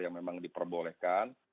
yang memang diperbolehkan